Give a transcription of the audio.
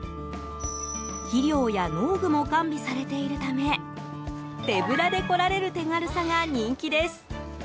肥料や農具も完備されているため手ぶらで来られる手軽さが人気です。